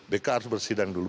bk harus bersidang dulu